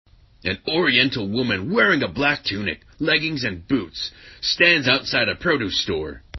An oriental woman wearing a black tunic, leggings and boots, stands outside a produce store.